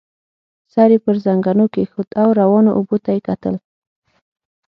سر يې پر زنګنو کېښود او روانو اوبو ته يې کتل.